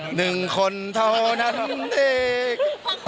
หนึ่งคนเท่านั้นเอง